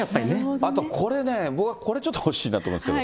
あとこれね、僕、これちょっと欲しいなと思うんですけど。